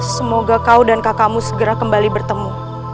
semoga kau dan kakakmu segera kembali bertemu